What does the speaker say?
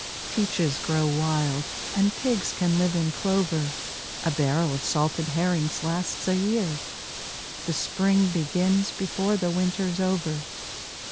Peaches grow wild, and pigs can live in clover; A barrel of salted herrings lasts a year; The spring begins before the winter's over.